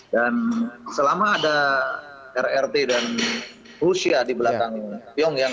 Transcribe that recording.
dan selama ada rrt dan rusia di belakang pyongyang